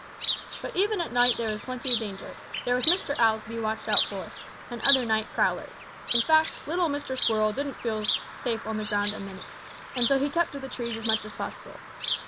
"But even at night there was plenty of danger. There was Mr. Owl to be watched out for, and other night prowlers. In fact, little Mr. Squirrel didn't feel safe on the ground a minute, and so he kept to the trees as much as possible.